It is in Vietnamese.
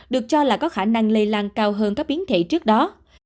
được cho là có khả năng lây lan cao hơn các biến thể trước đó